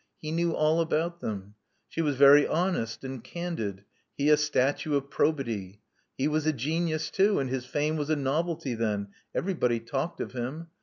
He knew all about them. She was very honest and candid: he a statue of probity. He was a genius too ; and his fame was a novelty then : everybody talked of him.